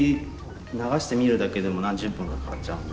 流してみるだけでも何十分かかかっちゃうんで。